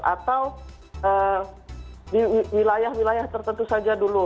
atau di wilayah wilayah tertentu saja dulu